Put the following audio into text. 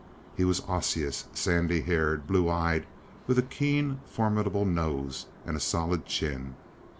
He was osseous, sandy haired, blue eyed, with a keen, formidable nose and a solid chin.